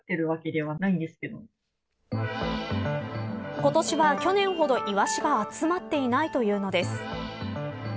今年は去年ほど、イワシが集まっていないというのです。